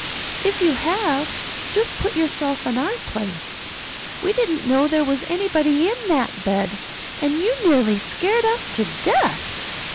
If you have, just put yourself in our place. We didn't know there was anybody in that bed and you nearly scared us to death.